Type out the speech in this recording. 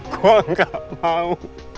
gue gak mau